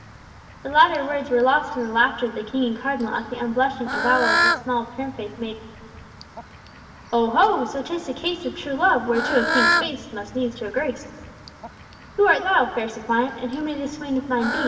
The latter words were lost in the laughter of the King and Cardinal at the unblushing avowal of the small, prim faced maiden. "Oh ho! So 'tis a case of true love, whereto a King's face must needs show grace. Who art thou, fair suppliant, and who may this swain of thine be?"